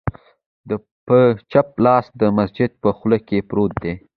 د په چپ لاس د مسجد په خوله کې پرته ده،